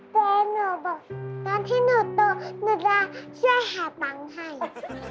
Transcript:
แต่หนูบอกตอนที่หนูโตหนูจะช่วยหาตังค์ให้